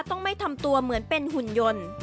ต้องไม่ทำตัวเหมือนเป็นหุ่นยนต์